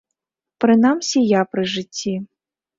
Прынамсі я пры жыцці.